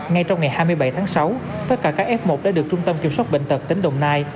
ngay trong ngày hai mươi bảy tháng sáu tất cả các f một đã được trung tâm kiểm soát bệnh tật tỉnh đồng nai